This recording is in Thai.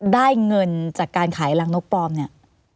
ได้เงินจากการขายรังนกปลอมเนี่ย